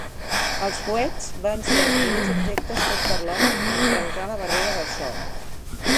Els fuets van ser els primers objectes fets per l'home en trencar la barrera del so.